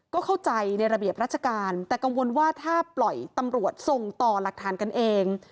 ก็เข้าใจในระเบียบราชการแต่กังวลว่าถ้าปล่อยตำรวจส่งต่อหลักฐานกันเอง